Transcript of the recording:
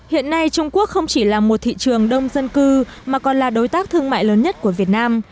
hiện nay trung quốc không chỉ là một thị trường đông dân cư mà còn là đối tác thương mại lớn nhất của việt nam